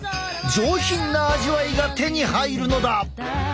上品な味わいが手に入るのだ！